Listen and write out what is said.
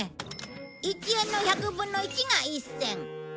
１円の１００分の１が１銭。